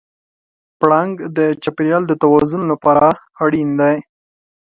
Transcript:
پړانګ د چاپېریال د توازن لپاره اړین دی.